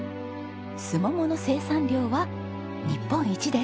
スモモの生産量は日本一です。